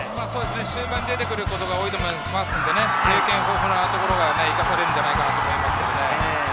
終盤に出てくることが多いと思いますが、経験豊富なところが生かされるのではないかと思います。